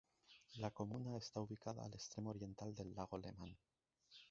La comuna está ubicada al extremo oriental del lago Lemán.